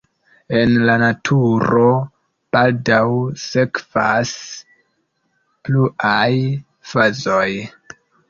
En la naturo baldaŭ sekvas pluaj fazoj.